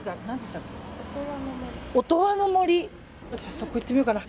そこに行ってみようかな。